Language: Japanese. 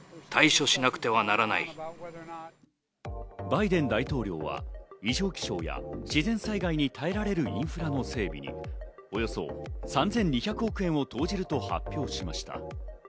バイデン大統領は異常気象や、自然災害に耐えられるインフラの整備におよそ３２００億円を投じると発表しました。